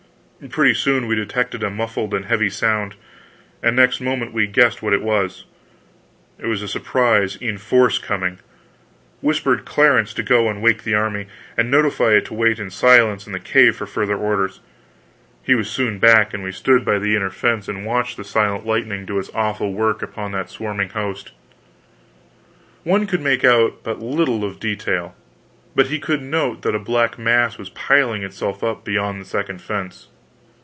Pretty soon we detected a muffled and heavy sound, and next moment we guessed what it was. It was a surprise in force coming! I whispered Clarence to go and wake the army, and notify it to wait in silence in the cave for further orders. He was soon back, and we stood by the inner fence and watched the silent lightning do its awful work upon that swarming host. One could make out but little of detail; but he could note that a black mass was piling itself up beyond the second fence.